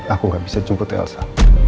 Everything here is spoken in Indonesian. aku gak bisa jemput elsa